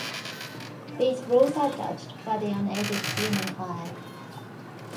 These rules are judged by the unaided human eye.